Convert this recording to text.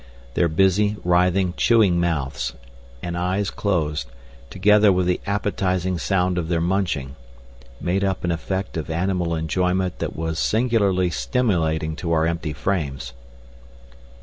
Their busy, writhing, chewing mouths, and eyes closed, together with the appetising sound of their munching, made up an effect of animal enjoyment that was singularly stimulating to our empty frames.